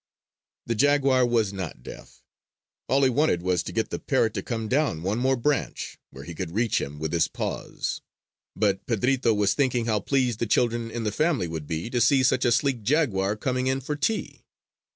The jaguar was not deaf. All he wanted was to get the parrot to come down one more branch, where he could reach him with his paws. But Pedrito was thinking how pleased the children in the family would be to see such a sleek jaguar coming in for tea.